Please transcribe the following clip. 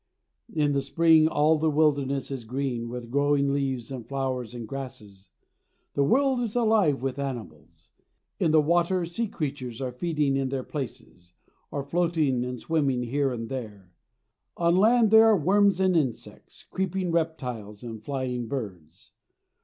In the spring all the wilderness is green with growing leaves and flowers and grasses. The world is alive with animals. In the water sea creatures are feeding in their places, or floating and swimming here and there. On land there are worms and insects, creeping reptiles and flying birds.